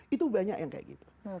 itu banyak yang kayak gitu